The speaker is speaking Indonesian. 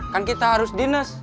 kan kita harus dinas